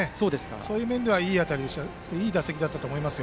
そういう面ではいい打席だったと思います。